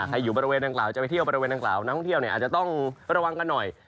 ใครอยู่บริเวณอังกฤษจะไปเที่ยวบริเวณอังกฤษน้องท่องเที่ยวเนี่ยอาจจะต้องประวังกันหน่อย